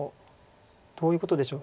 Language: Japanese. どういうことでしょう。